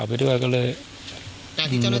สวัสดีครับ